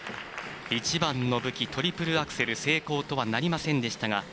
一番の武器、トリプルアクセル成功とはなりませんでしたが。